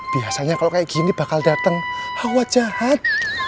biasanya kalau kayak gini bakal datang hawa jahat